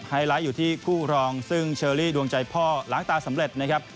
ไลท์อยู่ที่คู่รองซึ่งเชอรี่ดวงใจพ่อล้างตาสำเร็จนะครับ